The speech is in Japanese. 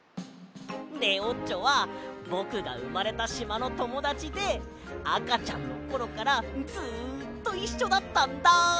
レオッチョはぼくがうまれたしまのともだちであかちゃんのころからずっといっしょだったんだ！